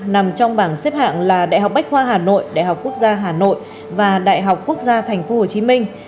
nằm trong bảng xếp hạng là đại học bách khoa hà nội đại học quốc gia hà nội và đại học quốc gia thành phố hồ chí minh